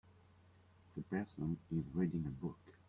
The person is reading a book.